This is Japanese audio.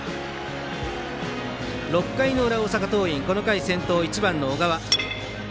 ６回の裏、大阪桐蔭この回先頭１番の小川。